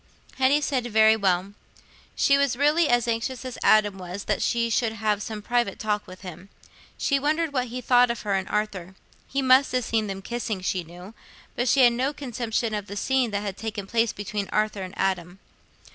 Hetty said, "Very well." She was really as anxious as Adam was that she should have some private talk with him. She wondered what he thought of her and Arthur. He must have seen them kissing, she knew, but she had no conception of the scene that had taken place between Arthur and Adam.